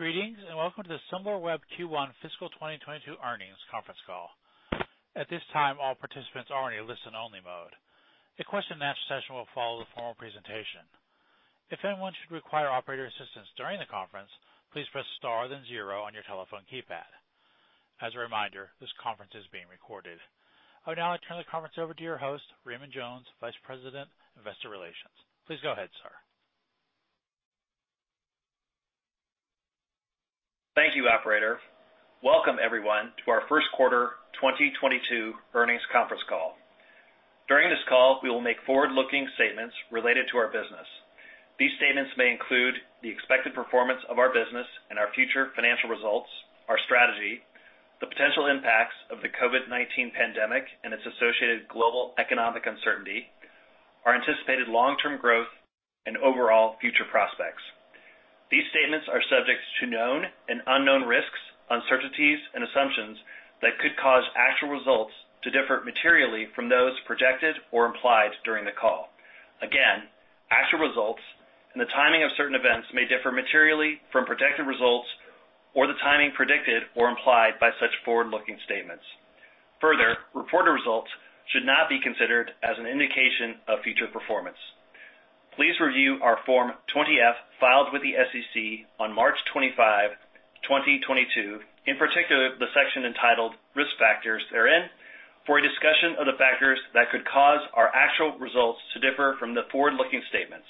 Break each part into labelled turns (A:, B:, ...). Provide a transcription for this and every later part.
A: Greetings, and welcome to the Similarweb Q1 Fiscal 2022 Earnings Conference Call. At this time, all participants are in a listen-only mode. A question and answer session will follow the formal presentation. If anyone should require operator assistance during the conference, please press star then zero on your telephone keypad. As a reminder, this conference is being recorded. I would now like to turn the conference over to your host, Raymond Jones, Vice President, Investor Relations. Please go ahead, sir.
B: Thank you, operator. Welcome everyone to our First Quarter 2022 Earnings Conference Call. During this call, we will make forward-looking statements related to our business. These statements may include the expected performance of our business and our future financial results, our strategy, the potential impacts of the COVID-19 pandemic and its associated global economic uncertainty, our anticipated long-term growth, and overall future prospects. These statements are subject to known and unknown risks, uncertainties, and assumptions that could cause actual results to differ materially from those projected or implied during the call. Again, actual results and the timing of certain events may differ materially from projected results or the timing predicted or implied by such forward-looking statements. Further, reported results should not be considered as an indication of future performance. Please review our Form 20-F filed with the SEC on March 25, 2022, in particular, the section entitled Risk Factors therein, for a discussion of the factors that could cause our actual results to differ from the forward-looking statements.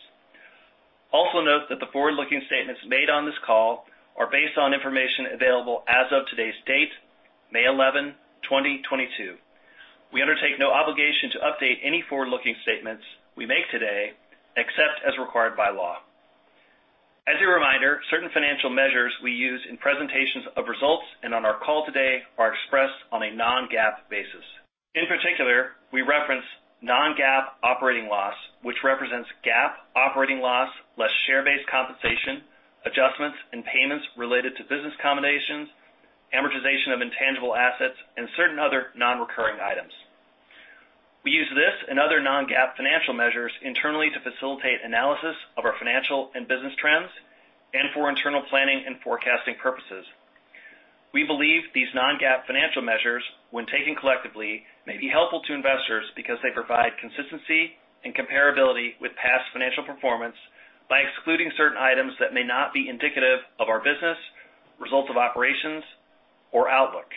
B: Also note that the forward-looking statements made on this call are based on information available as of today's date, May 11, 2022. We undertake no obligation to update any forward-looking statements we make today, except as required by law. As a reminder, certain financial measures we use in presentations of results and on our call today are expressed on a non-GAAP basis. In particular, we reference non-GAAP operating loss, which represents GAAP operating loss, less share-based compensation, adjustments, and payments related to business accommodations, amortization of intangible assets, and certain other non-recurring items. We use this and other non-GAAP financial measures internally to facilitate analysis of our financial and business trends and for internal planning and forecasting purposes. We believe these non-GAAP financial measures, when taken collectively, may be helpful to investors because they provide consistency and comparability with past financial performance by excluding certain items that may not be indicative of our business, results of operations, or outlook.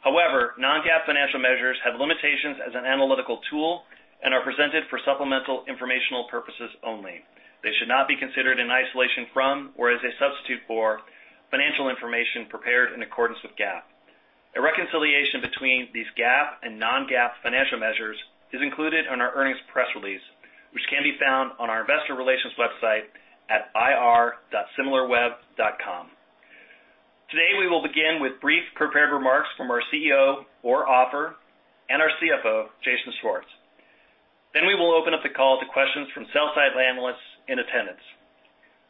B: However, non-GAAP financial measures have limitations as an analytical tool and are presented for supplemental informational purposes only. They should not be considered in isolation from or as a substitute for financial information prepared in accordance with GAAP. A reconciliation between these GAAP and non-GAAP financial measures is included on our earnings press release, which can be found on our investor relations website at ir.similarweb.com. Today, we will begin with brief prepared remarks from our CEO, Or Offer, and our CFO, Jason Schwartz. We will open up the call to questions from sell-side analysts in attendance.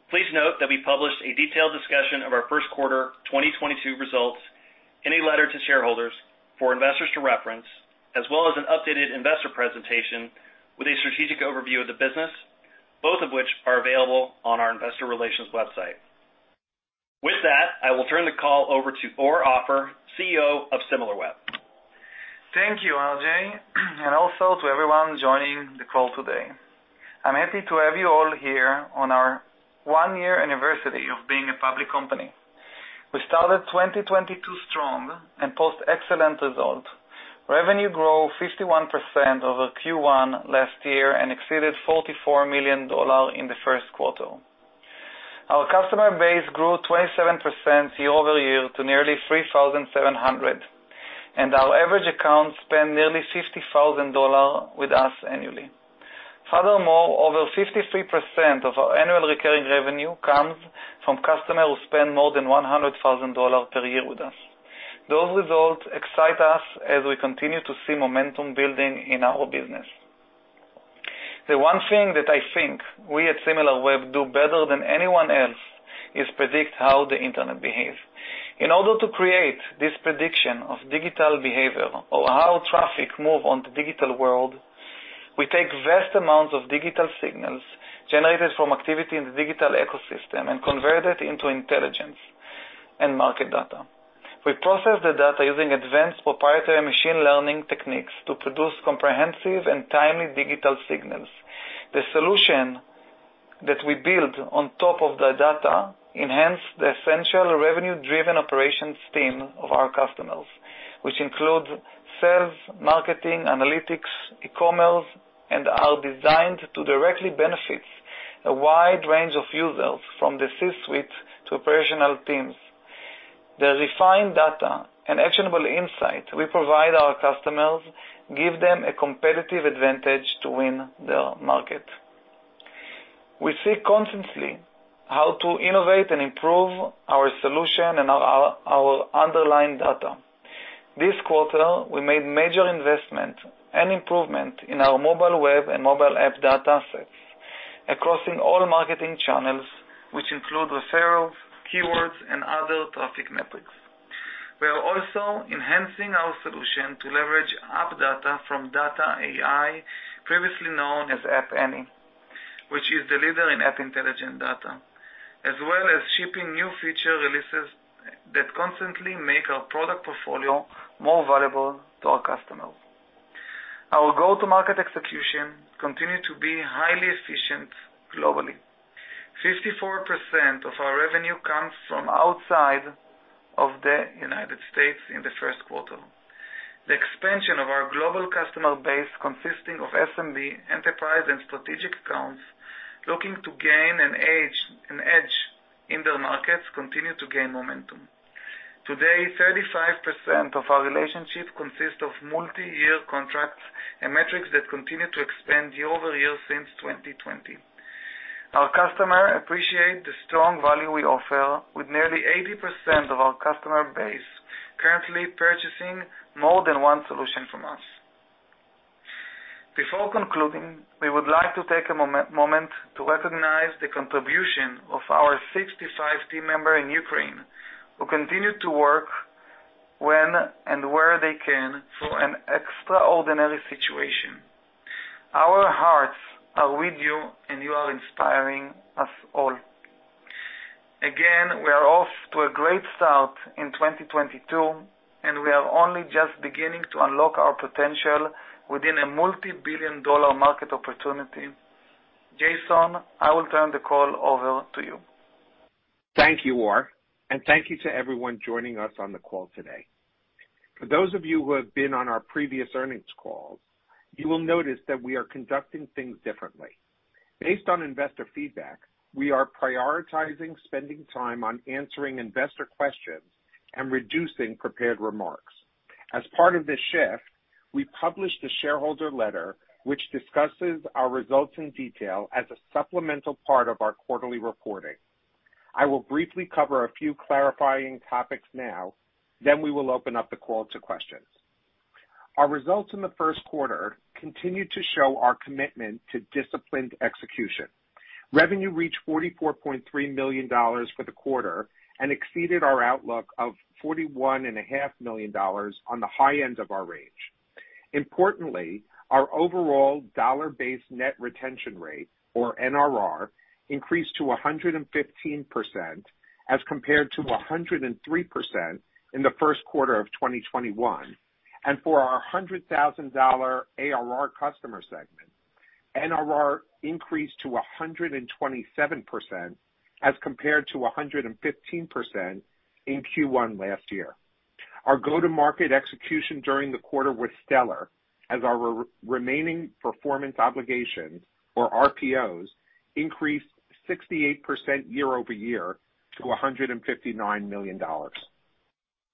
B: Please note that we published a detailed discussion of our first quarter 2022 results in a letter to shareholders for investors to reference, as well as an updated investor presentation with a strategic overview of the business, both of which are available on our investor relations website. With that, I will turn the call over to Or Offer, CEO of Similarweb.
C: Thank you, RJ, and also to everyone joining the call today. I'm happy to have you all here on our one-year anniversary of being a public company. We started 2022 strong and posted excellent results. Revenue grew 51% over Q1 last year and exceeded $44 million in the first quarter. Our customer base grew 27% year-over-year to nearly 3,700, and our average account spent nearly $50,000 with us annually. Furthermore, over 53% of our annual recurring revenue comes from customers who spend more than $100,000 per year with us. Those results excite us as we continue to see momentum building in our business. The one thing that I think we at Similarweb do better than anyone else is predict how the Internet behaves. In order to create this prediction of digital behavior or how traffic move on the digital world, we take vast amounts of digital signals generated from activity in the digital ecosystem and convert it into intelligence and market data. We process the data using advanced proprietary machine learning techniques to produce comprehensive and timely digital signals. The solution that we build on top of the data enhance the essential revenue-driven operations team of our customers, which includes sales, marketing, analytics, e-commerce, and are designed to directly benefit a wide range of users from the C-suite to operational teams. The refined data and actionable insight we provide our customers give them a competitive advantage to win their market. We see constantly how to innovate and improve our solution and our underlying data. This quarter, we made major investment and improvement in our mobile web and mobile app data sets across all marketing channels, which include referrals, keywords, and other traffic metrics. We are also enhancing our solution to leverage app data from data.ai, previously known as App Annie, which is the leader in app intelligent data, as well as shipping new feature releases that constantly make our product portfolio more valuable to our customers. Our go-to-market execution continued to be highly efficient globally. 54% of our revenue comes from outside of the United States in the first quarter. The expansion of our global customer base, consisting of SMB, enterprise, and strategic accounts looking to gain an edge in their markets, continue to gain momentum. Today, 35% of our relationships consist of multi-year contracts and metrics that continue to expand year-over-year since 2020. Our customers appreciate the strong value we offer, with nearly 80% of our customer base currently purchasing more than one solution from us. Before concluding, we would like to take a moment to recognize the contribution of our 65 team members in Ukraine, who continue to work when and where they can through an extraordinary situation. Our hearts are with you, and you are inspiring us all. Again, we are off to a great start in 2022, and we are only just beginning to unlock our potential within a multi-billion dollar market opportunity. Jason, I will turn the call over to you.
D: Thank you, Or. Thank you to everyone joining us on the call today. For those of you who have been on our previous earnings calls, you will notice that we are conducting things differently. Based on investor feedback, we are prioritizing spending time on answering investor questions and reducing prepared remarks. As part of this shift, we published a shareholder letter, which discusses our results in detail as a supplemental part of our quarterly reporting. I will briefly cover a few clarifying topics now, then we will open up the call to questions. Our results in the first quarter continued to show our commitment to disciplined execution. Revenue reached $44.3 million for the quarter and exceeded our outlook of $41.5 million on the high end of our range. Importantly, our overall dollar-based net retention rate, or NRR, increased to 115% as compared to 103% in the first quarter of 2021. For our $100,000 ARR customer segment, NRR increased to 127% as compared to 115% in Q1 last year. Our go-to-market execution during the quarter was stellar, as our remaining performance obligations, or RPOs, increased 68% year-over-year to $159 million.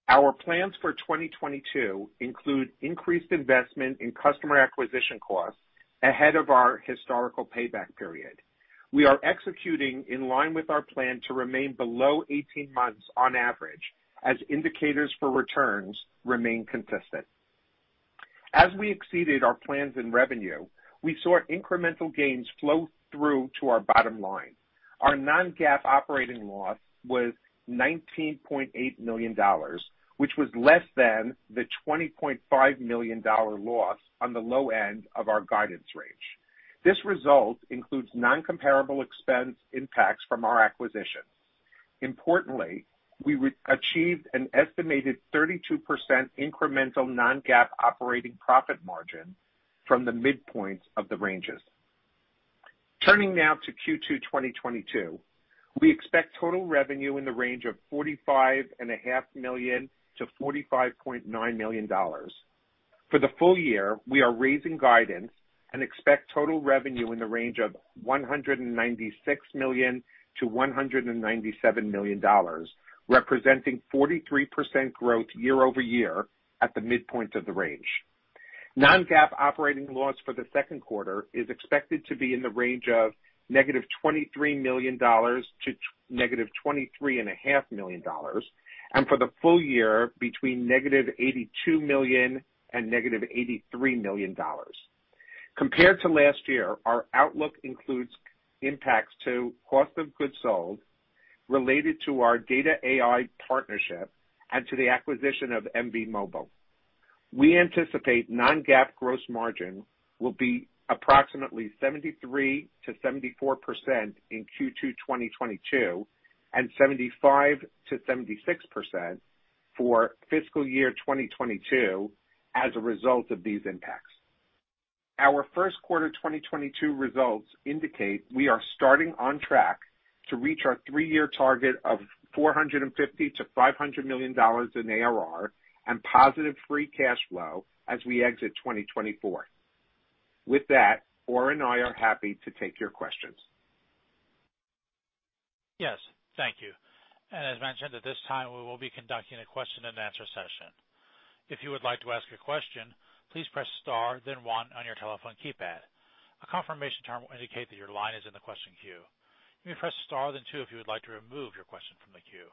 D: Our plans for 2022 include increased investment in customer acquisition costs ahead of our historical payback period. We are executing in line with our plan to remain below 18 months on average, as indicators for returns remain consistent. As we exceeded our plans in revenue, we saw incremental gains flow through to our bottom line. Our non-GAAP operating loss was $19.8 million, which was less than the $20.5 million loss on the low end of our guidance range. This result includes non-comparable expense impacts from our acquisition. Importantly, we achieved an estimated 32% incremental non-GAAP operating profit margin from the midpoints of the ranges. Turning now to Q2 2022. We expect total revenue in the range of $45.5 million-$45.9 million. For the full year, we are raising guidance and expect total revenue in the range of $196 million-$197 million, representing 43% growth year-over-year at the midpoint of the range. non-GAAP operating loss for the second quarter is expected to be in the range of -$23 million to -$23.5 million dollars, and for the full year, between -$82 million and -$83 million dollars. Compared to last year, our outlook includes impacts to cost of goods sold related to our data.ai partnership and to the acquisition of Embee Mobile. We anticipate non-GAAP gross margin will be approximately 73%-74% in Q2 2022, and 75%-76% for fiscal year 2022 as a result of these impacts. Our first quarter 2022 results indicate we are starting on track to reach our three-year target of $450 million-$500 million in ARR and positive free cash flow as we exit 2024. With that, Or and I are happy to take your questions.
A: Yes, thank you. As mentioned, at this time we will be conducting a question and answer session. If you would like to ask a question, please press star then one on your telephone keypad. A confirmation tone will indicate that your line is in the question queue. You may press star then two if you would like to remove your question from the queue.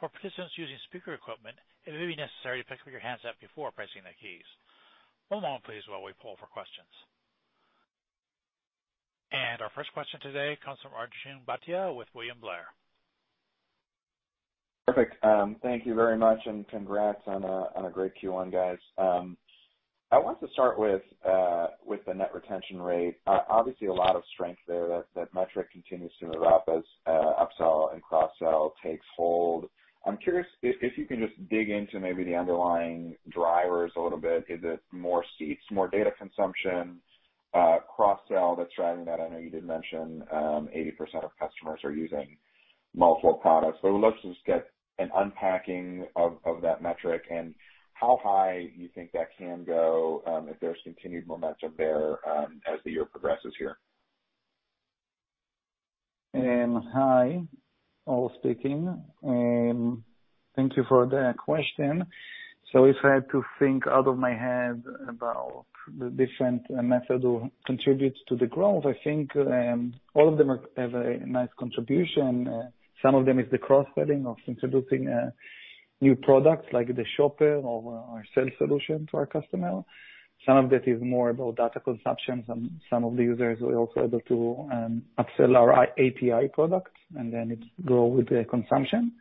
A: For participants using speaker equipment, it may be necessary to pick up your handset before pressing the keys. One moment please while we poll for questions. Our first question today comes from Arjun Bhatia with William Blair.
E: Perfect. Thank you very much, and congrats on a great Q1, guys. I want to start with the net retention rate. Obviously a lot of strength there. That metric continues to improve as upsell and cross-sell takes hold. I'm curious if you can just dig into maybe the underlying drivers a little bit. Is it more seats, more data consumption, cross-sell that's driving that? I know you did mention 80% of customers are using multiple products, but let's just get an unpacking of that metric and how high you think that can go, if there's continued momentum there, as the year progresses here.
C: Hi. Or speaking. Thank you for the question. If I had to think out of my head about the different methods that contribute to the growth, I think all of them have a nice contribution. Some of them is the cross-selling of introducing new products like the shopper or our sales solution to our customer. Some of it is more about data consumption. Some of the users were also able to upsell our API product, and then it grow with the consumption.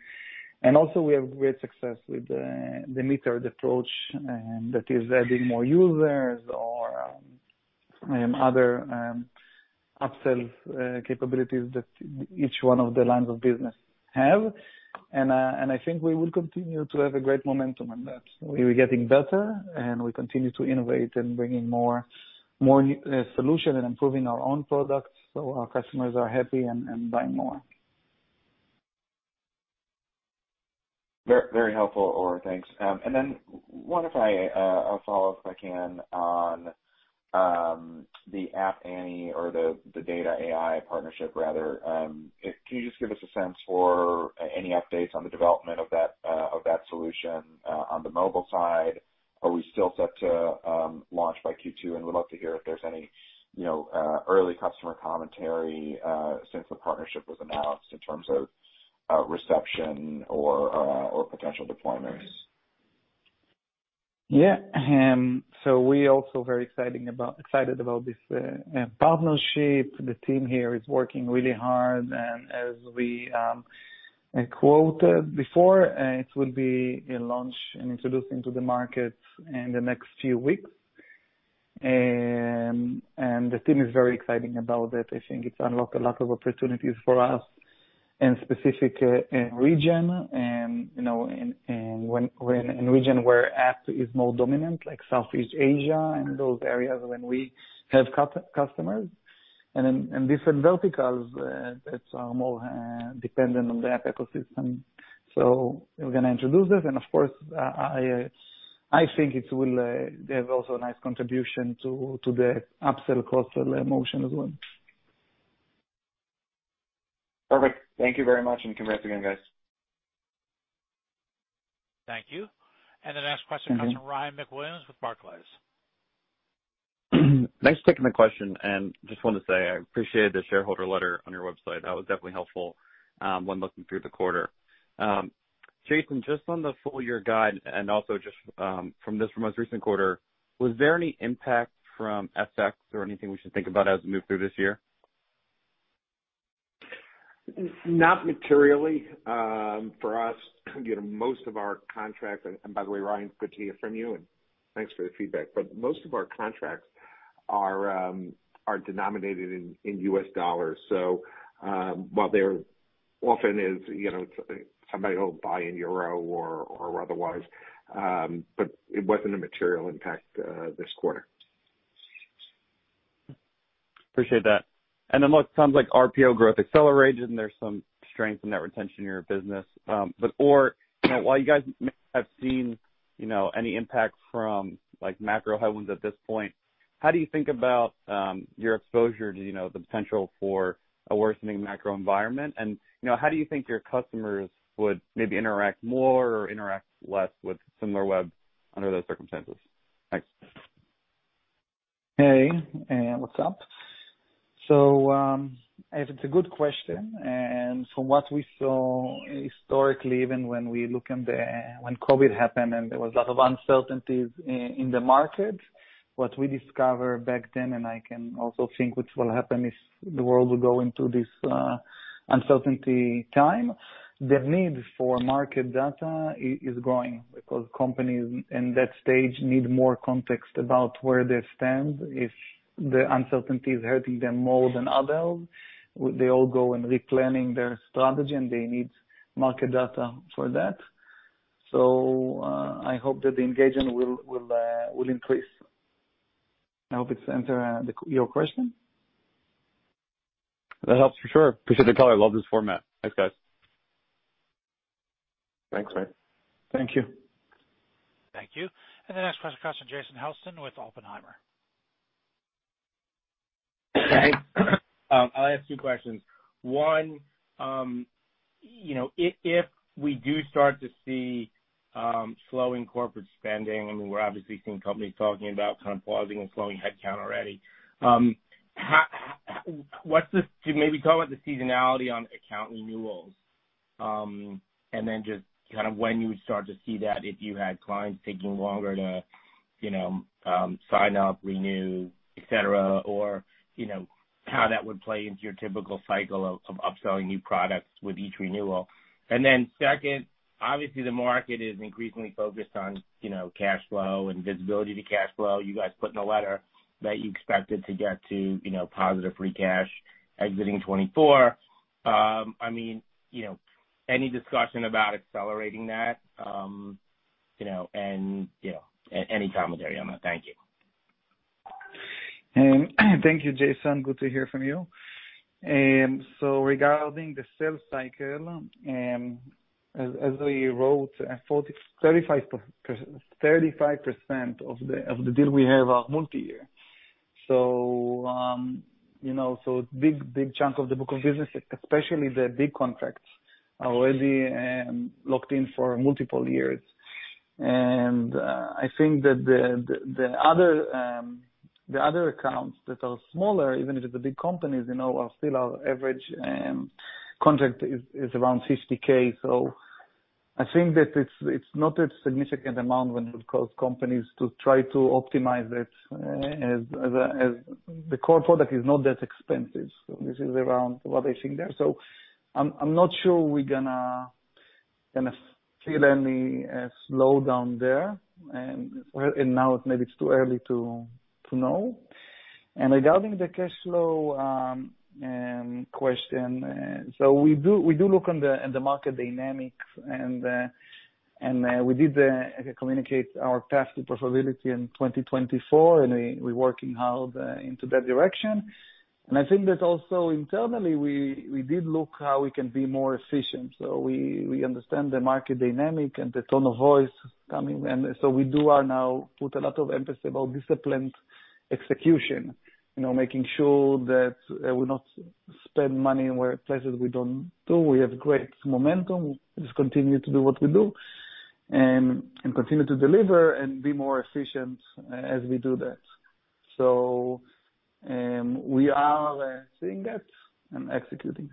C: Also we have great success with the metered approach that is adding more users or other upsell capabilities that each one of the lines of business have. I think we will continue to have a great momentum on that. We're getting better, and we continue to innovate in bringing more new solution and improving our own products so our customers are happy and buying more.
E: Very helpful, Or. Thanks. Then one of my, I'll follow if I can on the App Annie or the data.ai partnership rather. Can you just give us a sense for any updates on the development of that solution on the mobile side? Are we still set to launch by Q2? We'd love to hear if there's any, you know, early customer commentary since the partnership was announced in terms of reception or potential deployments.
C: Yeah. So we also excited about this partnership. The team here is working really hard. As we quoted before, it will be a launch and introducing to the market in the next few weeks. The team is very excited about it. I think it's unlocked a lot of opportunities for us in specific region and, you know, in region where app is more dominant, like Southeast Asia and those areas when we have customers and in different verticals that are more dependent on the app ecosystem. We're gonna introduce this and of course, I think it will have also a nice contribution to the up-sell, cross-sell motion as well.
E: Perfect. Thank you very much, and congrats again, guys.
A: Thank you. The next question comes from Ryan MacWilliams with Barclays.
F: Thanks for taking my question. Just wanted to say I appreciated the shareholder letter on your website. That was definitely helpful when looking through the quarter. Jason, just on the full year guide and also just from this most recent quarter, was there any impact from FX or anything we should think about as we move through this year?
D: Not materially for us. You know, most of our contracts, and by the way, Ryan, good to hear from you, and thanks for the feedback. Most of our contracts are denominated in U.S. dollars. While there often is, you know, somebody will buy in euro or otherwise, but it wasn't a material impact this quarter.
F: Appreciate that. Look, sounds like RPO growth accelerated and there's some strength in that retention in your business. You know, while you guys may have seen, you know, any impact from like macro headwinds at this point, how do you think about your exposure to, you know, the potential for a worsening macro environment? You know, how do you think your customers would maybe interact more or interact less with Similarweb under those circumstances? Thanks.
C: Hey, what's up? It's a good question. From what we saw historically, even when COVID happened and there was a lot of uncertainties in the market, what we discovered back then, and I can also think what will happen if the world will go into this uncertainty time, the need for market data is growing because companies in that stage need more context about where they stand. If the uncertainty is hurting them more than others, they all go and replanning their strategy, and they need market data for that. I hope that the engagement will increase. I hope it answers your question.
F: That helps for sure. Appreciate the color. Love this format. Thanks, guys.
D: Thanks, Ryan.
C: Thank you.
A: Thank you. The next question comes from Jason Helfstein with Oppenheimer.
G: Hey. I'll ask two questions. One, you know, if we do start to see slowing corporate spending, we're obviously seeing companies talking about kind of pausing and slowing headcount already. What's the seasonality on account renewals? And then just kind of when you would start to see that if you had clients taking longer to, you know, sign up, renew, et cetera, or, you know, how that would play into your typical cycle of upselling new products with each renewal. Second, obviously the market is increasingly focused on, you know, cash flow and visibility to cash flow. You guys put in a letter that you expected to get to, you know, positive free cash exiting 2024. I mean, you know, any discussion about accelerating that? You know, any commentary on that. Thank you.
C: Thank you, Jason. Good to hear from you. Regarding the sales cycle, as we wrote at 35% of the deals we have are multi-year. You know, so big chunk of the book of business, especially the big contracts, are already locked in for multiple years. I think that the other accounts that are smaller, even if the big companies, you know, are still our average contract is around $50,000. I think that it's not a significant amount when it would cause companies to try to optimize it as the core product is not that expensive. This is around what I think there. I'm not sure we're gonna feel any slowdown there. Where now maybe it's too early to know. Regarding the cash flow question, so we do look at the market dynamics and we did communicate our path to profitability in 2024, and we're working hard into that direction. I think that also internally we did look how we can be more efficient. We understand the market dynamic and the tone of voice coming. We do now put a lot of emphasis about disciplined execution. You know, making sure that we not spend money where places we don't do. We have great momentum. Just continue to do what we do, and continue to deliver and be more efficient as we do that. We are seeing that and executing.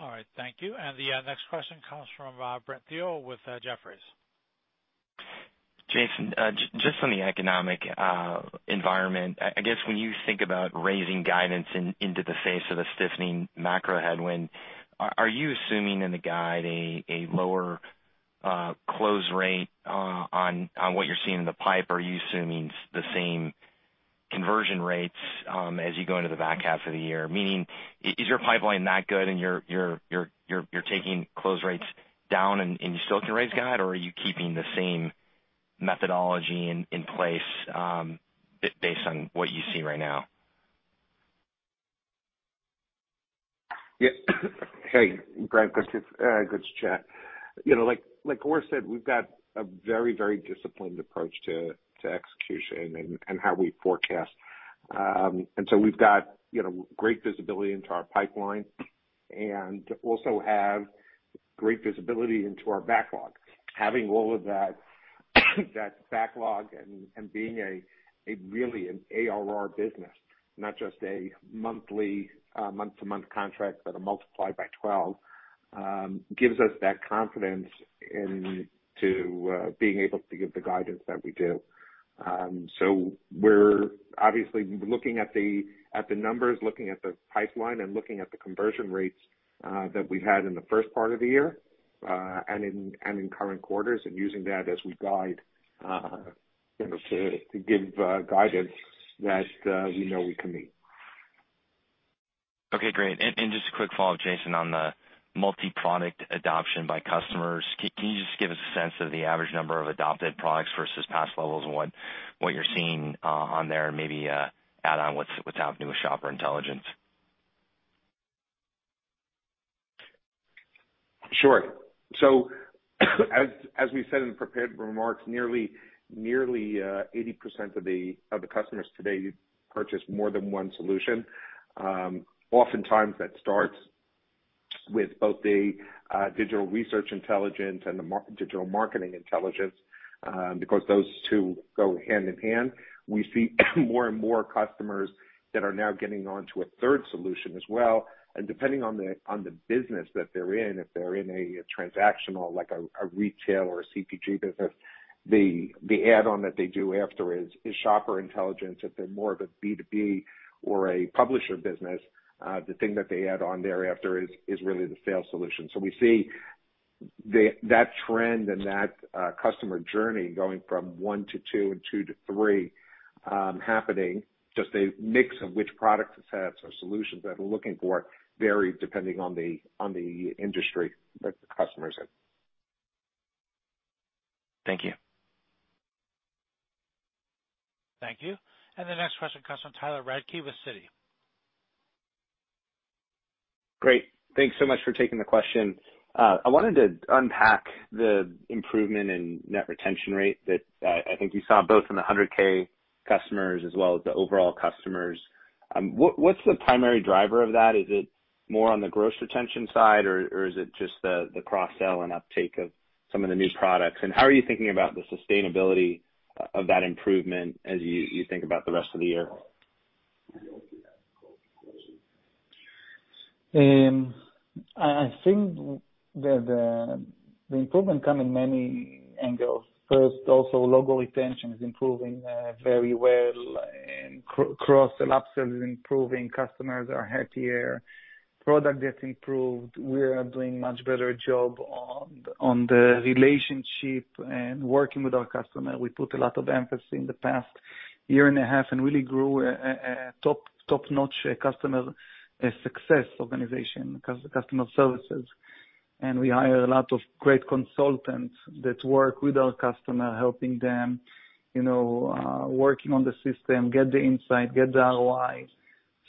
A: All right. Thank you. The next question comes from Brent Thill with Jefferies.
H: Jason, just on the economic environment, I guess when you think about raising guidance into the face of a stiffening macro headwind, are you assuming in the guide a lower-close-rate on what you're seeing in the pipe? Are you assuming the same conversion rates as you go into the back half of the year? Meaning, is your pipeline that good and you're taking close rates down and you still can raise guide or are you keeping the same methodology in place based on what you see right now?
D: Yeah. Hey, Brent. Good to chat. You know, like Or said, we've got a very disciplined approach to execution and how we forecast. We've got great visibility into our pipeline and also have great visibility into our backlog. Having all of that backlog and being a really ARR business, not just a monthly month-to-month contract that are multiplied by 12, gives us that confidence into being able to give the guidance that we do. We're obviously looking at the numbers, looking at the pipeline and looking at the conversion rates that we had in the first part of the year, and in current quarters and using that as we guide, you know, to give guidance that we know we can meet.
H: Okay, great. Just a quick follow-up, Jason, on the multi-product adoption by customers. Can you just give us a sense of the average number of adopted products versus past levels and what you're seeing on there and maybe add on what's happening with Shopper Intelligence?
D: Sure. As we said in the prepared remarks, nearly 80% of the customers today purchase more than one solution. Oftentimes that starts with both the Digital Research Intelligence and the Digital Marketing Intelligence, because those two go hand in hand. We see more and more customers that are now getting onto a third solution as well. Depending on the business that they're in, if they're in a transactional like a retail or a CPG business, the add-on that they do afterwards is Shopper Intelligence. If they're more of a B2B or a publisher business, the thing that they add on thereafter is really the Sales Solutions. We see that trend and that customer journey going from one to two and two to three happening. Just a mix of which product sets or solutions that we're looking for vary depending on the industry that the customer is in.
H: Thank you.
A: Thank you. The next question comes from Tyler Radke with Citi.
I: Great. Thanks so much for taking the question. I wanted to unpack the improvement in net retention rate that, I think you saw both in the 100,000 customers as well as the overall customers. What's the primary driver of that? Is it more on the gross retention side or is it just the cross-sell and uptake of some of the new products? How are you thinking about the sustainability of that improvement as you think about the rest of the year?
C: I think that the improvements come in many angles. First, also logo retention is improving very well, and cross-sell and upsell is improving. Customers are happier. Product gets improved. We are doing much better job on the relationship and working with our customer. We put a lot of emphasis in the past year and a half and really grew a top-notch customer success organization, customer services. We hire a lot of great consultants that work with our customer, helping them, you know, working on the system, get the insight, get the ROI.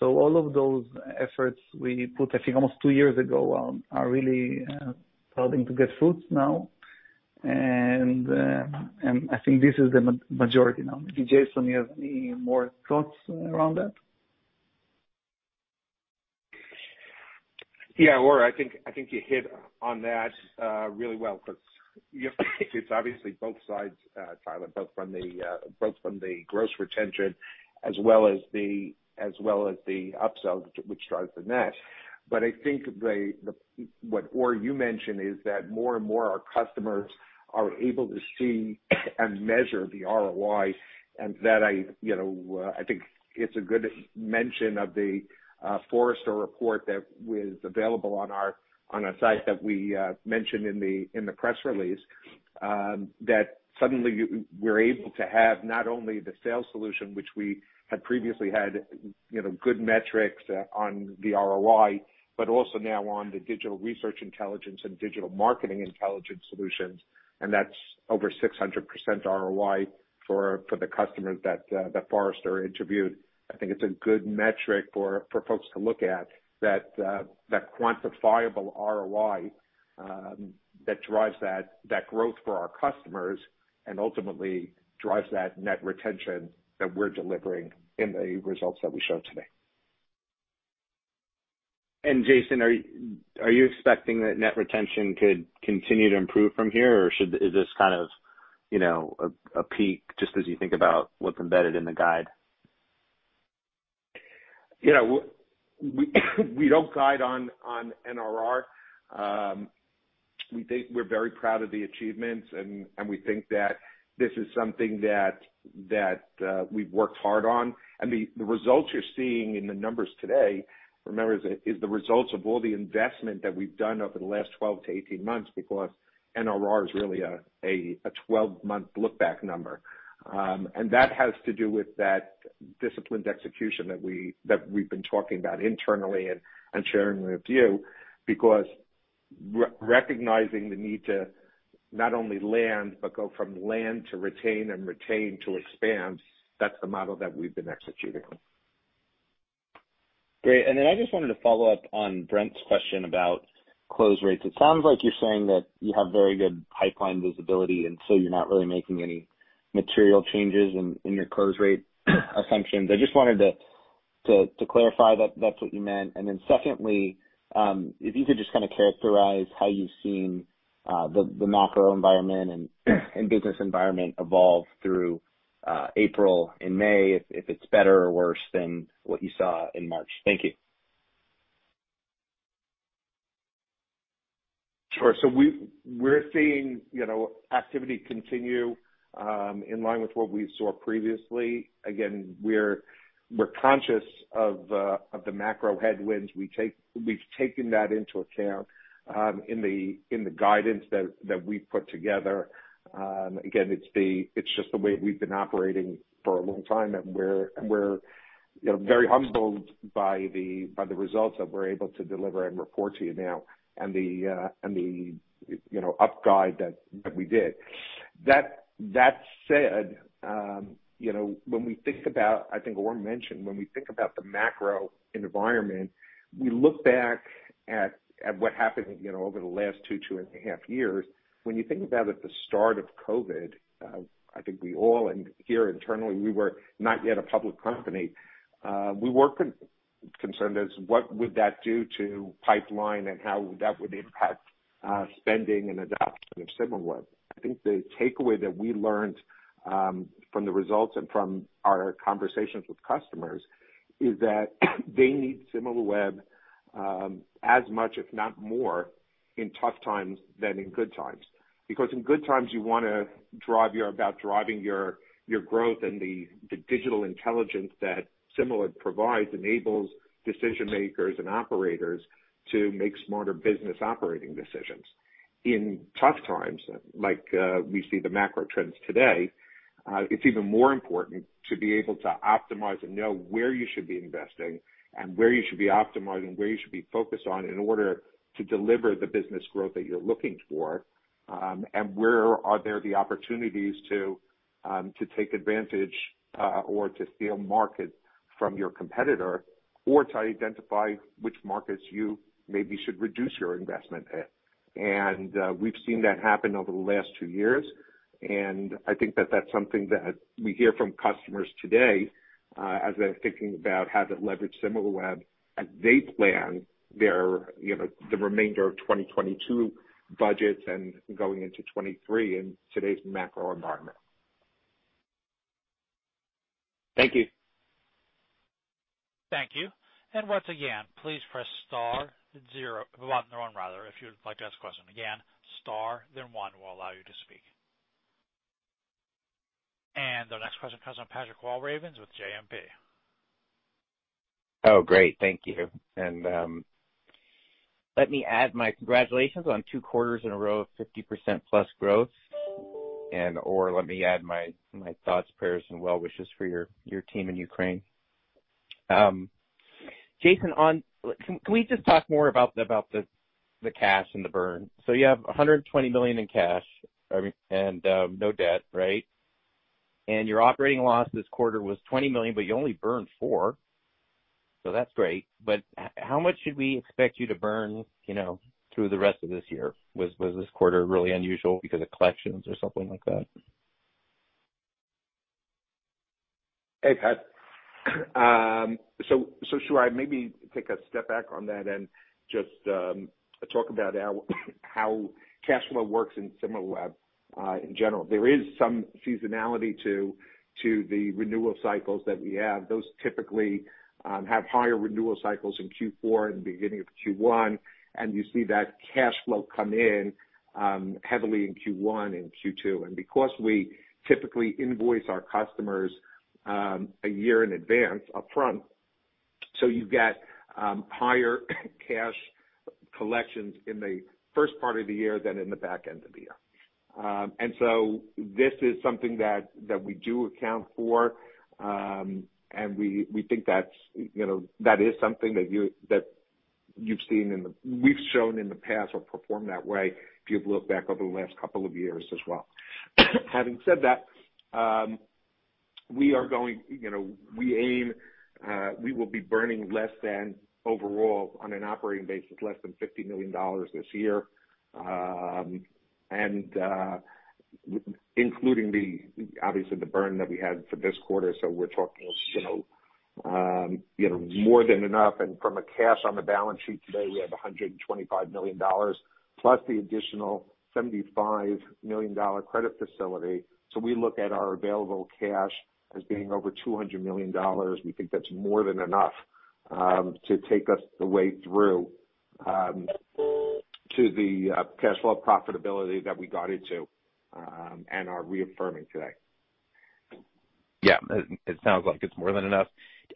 C: All of those efforts we put, I think almost two years ago, are really starting to bear fruit now. I think this is the majority now. Jason, you have any more thoughts around that?
D: Yeah, Or, I think you hit on that really well 'cause you have to, it's obviously both sides, Tyler, both from the gross retention as well as the upsell which drives the net. I think Or, you mentioned is that more and more our customers are able to see and measure the ROI, and that I, you know, I think it's a good mention of the Forrester report that was available on our site that we mentioned in the press release, that suddenly we're able to have not only the Sales Solution which we had previously had, you know, good metrics on the ROI, but also now on the Digital Research Intelligence and Digital Marketing Intelligence Solutions, and that's over 600% ROI for the customers that Forrester interviewed. I think it's a good metric for folks to look at that quantifiable ROI that drives that growth for our customers and ultimately drives that net retention that we're delivering in the results that we showed today.
I: Jason, are you expecting that net retention could continue to improve from here, or is this kind of, you know, a peak just as you think about what's embedded in the guide?
D: You know, we don't guide on NRR. We think we're very proud of the achievements and we think that this is something that we've worked hard on. The results you're seeing in the numbers today, remember, is the results of all the investment that we've done over the last 12-18 months because NRR is really a 12-month look back number. That has to do with that disciplined execution that we've been talking about internally and sharing with you because recognizing the need to not only land but go from land to retain and retain to expand, that's the model that we've been executing.
I: Great. Then I just wanted to follow up on Brent's question about close rates. It sounds like you're saying that you have very good pipeline visibility, and so you're not really making any material changes in your close rate assumptions. I just wanted to clarify that that's what you meant. Then secondly, if you could just kinda characterize how you've seen the macro environment and business environment evolve through April and May, if it's better or worse than what you saw in March. Thank you.
D: Sure. We're seeing, you know, activity continue in line with what we saw previously. Again, we're conscious of the macro headwinds. We've taken that into account in the guidance that we put together. Again, it's just the way we've been operating for a long time, and we're, you know, very humbled by the results that we're able to deliver and report to you now and the up guide that we did. That said, you know, when we think about, I think Or mentioned, when we think about the macro environment, we look back at what happened, you know, over the last two and a half years. When you think about the start of COVID, I think we all, and here internally, we were not yet a public company. We were concerned about what that would do to pipeline and how that would impact spending and adoption of Similarweb. I think the takeaway that we learned from the results and from our conversations with customers is that they need Similarweb as much, if not more, in tough times than in good times. Because in good times you wanna drive your growth and the Digital intelligence that Similarweb provides enables decision-makers and operators to make smarter business operating decisions. In tough times, we see the macro trends today, it's even more important to be able to optimize and know where you should be investing and where you should be optimizing, where you should be focused on in order to deliver the business growth that you're looking for, and where are there the opportunities to take advantage, or to steal market from your competitor, or to identify which markets you maybe should reduce your investment in. We've seen that happen over the last two years, and I think that that's something that we hear from customers today, as they're thinking about how to leverage Similarweb as they plan their, you know, the remainder of 2022 budgets and going into 2023 in today's macro environment.
I: Thank you.
A: Thank you. Once again, please press star one, if you'd like to ask a question. Again, star then one will allow you to speak. Our next question comes from Patrick Walravens with JMP.
J: Oh, great. Thank you. Let me add my congratulations on two quarters in a row of 50% plus growth, and Or, let me add my thoughts, prayers and well wishes for your team in Ukraine. Jason, can we just talk more about the cash and the burn? You have $120 million in cash and no debt, right? Your operating loss this quarter was $20 million, but you only burned $4 million, so that's great. How much should we expect you to burn, you know, through the rest of this year? Was this quarter really unusual because of collections or something like that?
D: Hey, Pat. Should I maybe take a step back on that and just talk about how cash flow works in Similarweb in general? There is some seasonality to the renewal cycles that we have. Those typically have higher renewal cycles in Q4 and beginning of Q1. You see that cash flow come in heavily in Q1 and Q2. Because we typically invoice our customers a year in advance upfront, so you've got higher cash collections in the first part of the year than in the back end of the year. This is something that we do account for, and we think that's, you know, that is something that you've seen. We've shown in the past or performed that way if you've looked back over the last couple of years as well. Having said that, we will be burning less than overall on an operating basis, less than $50 million this year. Including, obviously, the burn that we had for this quarter. We're talking more than enough. From the cash on the balance sheet today, we have $125 million plus the additional $75 million credit facility. We look at our available cash as being over $200 million. We think that's more than enough to take us all the way through to the cash flow profitability that we guided to and are reaffirming today.
J: Yeah, it sounds like it's more than enough.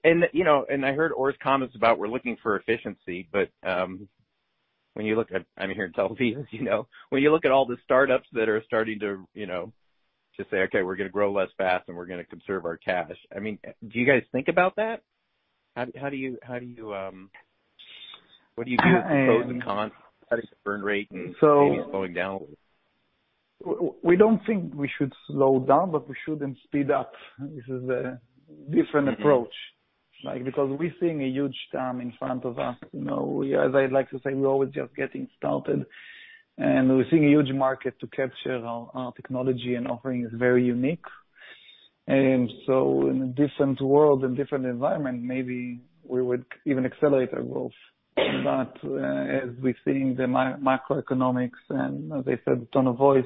J: You know, and I heard Or's comments about we're looking for efficiency, but I mean, here at Tel Aviv, as you know, when you look at all the startups that are starting to, you know, just say, okay, we're gonna grow less fast and we're gonna conserve our cash. I mean, do you guys think about that? How do you what do you do to pros and cons burn rate and maybe slowing down?
C: We don't think we should slow down, but we shouldn't speed up. This is a different approach. Like, because we're seeing a huge TAM in front of us. You know, as I like to say, we're always just getting started, and we're seeing a huge market to capture. Our technology and offering is very unique. In a different world and different environment, maybe we would even accelerate our growth. As we're seeing the macroeconomics, and as I said, the tone of voice,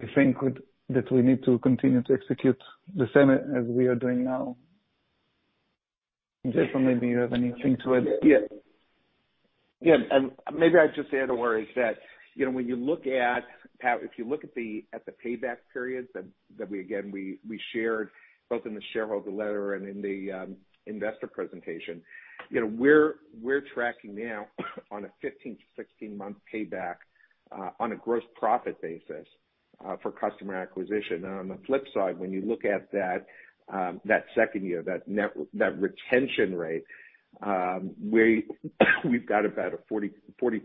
C: we think that we need to continue to execute the same as we are doing now. Jason, maybe you have anything to add?
D: Maybe I'd just add, Or, is that, you know, when you look at, Pat, if you look at the payback periods that we shared again both in the shareholder letter and in the investor presentation, you know, we're tracking now on a 15-16-month payback on a gross profit basis for customer acquisition. Now, on the flip side, when you look at that second year, that net retention rate, we've got about a 45%-50%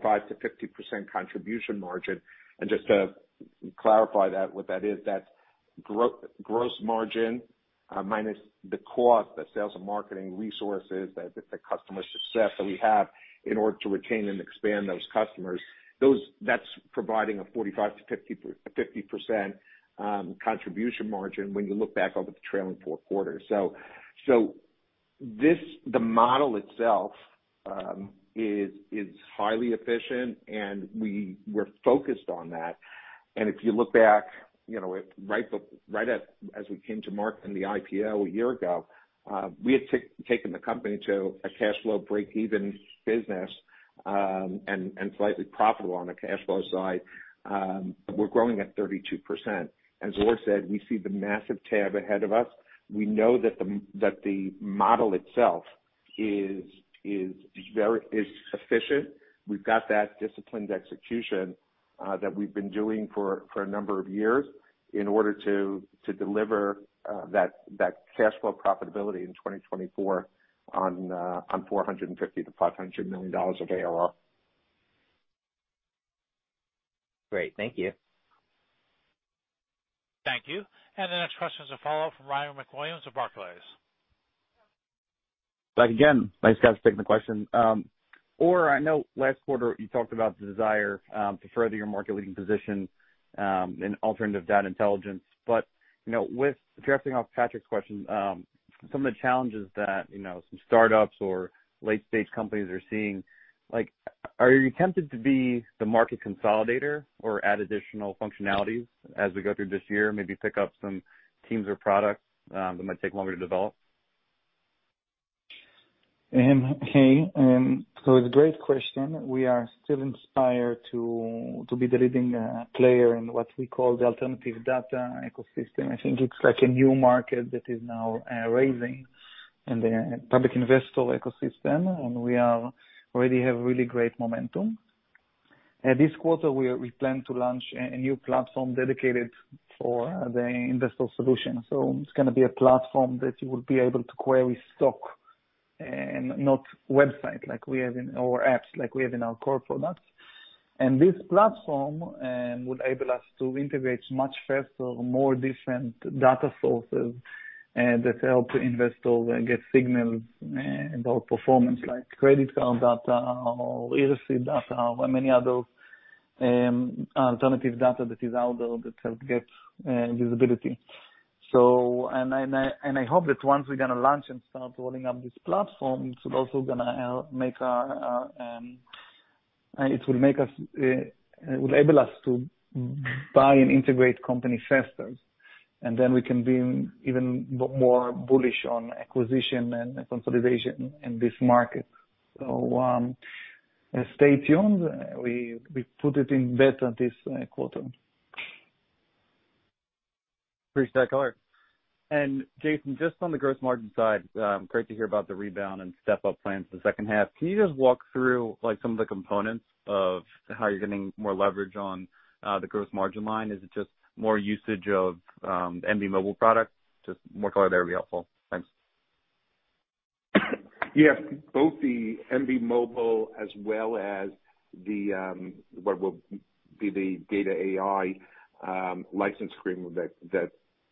D: contribution margin. Just to clarify that, what that is, that's gross margin minus the cost, the sales and marketing resources, the customer success that we have in order to retain and expand those customers. That's providing a 45%-50% contribution margin when you look back over the trailing four quarters. This, the model itself, is highly efficient, and we're focused on that. If you look back, as we came to market in the IPO a year ago, we had taken the company to a cash flow break-even business, and slightly profitable on the cash flow side. We're growing at 32%. As Or said, we see the massive TAM ahead of us. We know that the model itself is efficient. We've got that disciplined execution that we've been doing for a number of years in order to deliver that cash flow profitability in 2024 on $450 million-$500 million of ARR. Great. Thank you.
A: Thank you. The next question is a follow-up from Ryan MacWilliams of Barclays.
F: Back again. Thanks, guys, taking the question. Or, I know last quarter you talked about the desire to further your market leading position in alternative data intelligence. You know, with building off Patrick's question, some of the challenges that, you know, some startups or late stage companies are seeing, like, are you tempted to be the market consolidator or add additional functionalities as we go through this year? Maybe pick up some teams or products that might take longer to develop.
C: It's a great question. We are still inspired to be the leading player in what we call the alternative data ecosystem. I think it's like a new market that is now rising in the public investor ecosystem, and we already have really great momentum. This quarter we plan to launch a new platform dedicated for the investor solution. It's gonna be a platform that you will be able to query stocks, not websites like we have in our apps, like we have in our core products. This platform would enable us to integrate much faster, more different data sources that help investors get signals about performance, like credit card data or receipt data or many other alternative data that is out there that help get visibility. I hope that once we're gonna launch and start rolling out this platform, it will enable us to buy and integrate companies faster, and then we can be even more bullish on acquisition and consolidation in this market. Stay tuned. We put a big bet on this quarter.
F: Appreciate that color. Jason, just on the gross margin side, great to hear about the rebound and step up plans the second half. Can you just walk through, like, some of the components of how you're getting more leverage on, the gross margin line? Is it just more usage of, the Embee Mobile product? Just more color there would be helpful. Thanks.
D: Yes. Both the Embee Mobile as well as the, what will be the data.ai, license agreement that,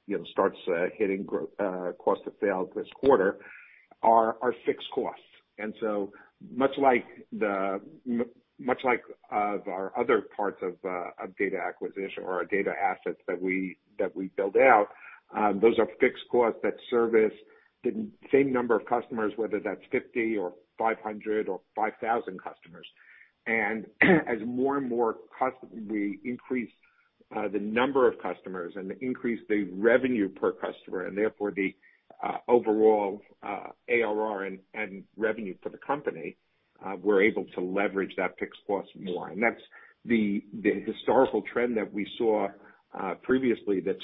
D: you know, starts, hitting cost of sales this quarter are fixed costs. Much like our other parts of data acquisition or our data assets that we build out, those are fixed costs that service the same number of customers, whether that's 50 or 500 or 5,000 customers. As more and more we increase the number of customers and increase the revenue per customer and therefore the overall ARR and revenue for the company, we're able to leverage that fixed cost more. That's the historical trend that we saw previously that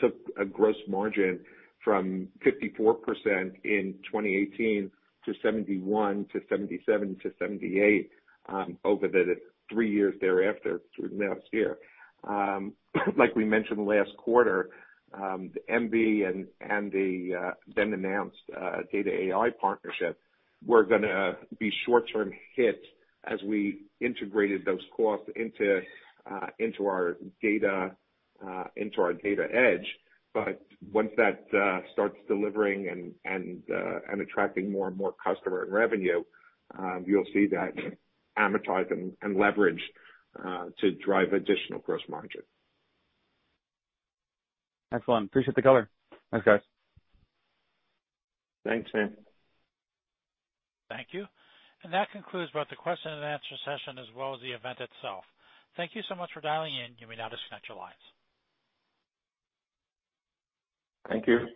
D: took a gross margin from 54% in 2018 to 71%-77%-78% over the three years thereafter through last year. Like we mentioned last quarter, the Embee and the then announced data.ai partnership were gonna be short-term hit as we integrated those costs into our data edge. But once that starts delivering and attracting more and more customer and revenue, you'll see that amortize and leverage to drive additional gross margin.
F: Excellent. Appreciate the color. Thanks, guys.
D: Thanks.
A: Thank you. That concludes both the question and answer session as well as the event itself. Thank you so much for dialing in. You may now disconnect your lines.
D: Thank you.